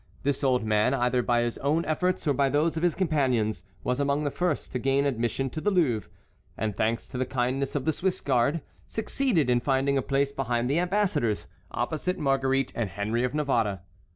This old man, either by his own efforts or by those of his companions, was among the first to gain admission to the Louvre, and, thanks to the kindness of the Swiss guard, succeeded in finding a place behind the ambassadors, opposite Marguerite and Henry of Navarre.